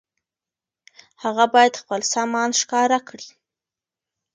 هغه بايد خپل سامان ښکاره کړي.